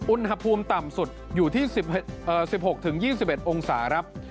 อุณหภูมิต่ำสุดอยู่ที่๑๖๒๑องศาครับ